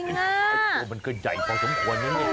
ตัวมันก็ใหญ่พอสมควรอย่างนี้